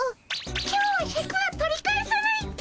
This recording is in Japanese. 今日はシャクは取り返さないっピ。